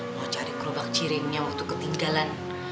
mau cari kerobak jirinnya waktu ketinggalan